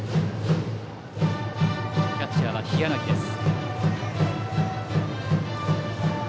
キャッチャーは日柳です。